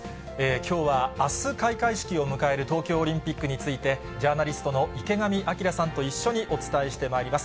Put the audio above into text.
きょうは、あす開会式を迎える東京オリンピックについて、ジャーナリストの池上彰さんと一緒にお伝えしてまいります。